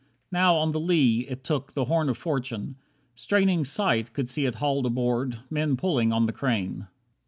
Now on the lee It took the "Horn of Fortune". Straining sight Could see it hauled aboard, men pulling on the crane.